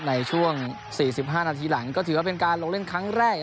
ในช่วง๔๕นาทีหลังก็ถือว่าเป็นการลงเล่นครั้งแรก